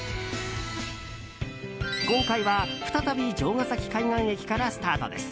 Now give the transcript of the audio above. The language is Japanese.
今回は再び城ヶ崎海岸駅からスタートです。